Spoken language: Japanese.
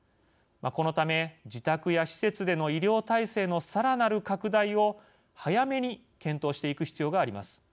このため自宅や施設での医療体制のさらなる拡大を早めに検討していく必要があります。